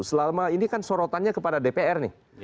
selama ini kan sorotannya kepada dpr nih